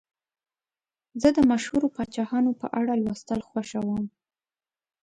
زه د مشهورو پاچاهانو په اړه لوستل خوښوم.